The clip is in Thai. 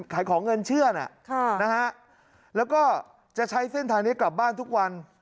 ขายของเงินเชื่อนะแล้วก็จะใช้เส้นทางนี้กลับบ้านทุกวัน